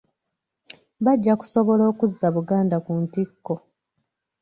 Bajja kusobola okuzza Buganda ku ntikko.